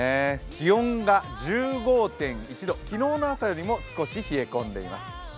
気温が１５．１度、昨日の朝よりも少し冷え込んでいます。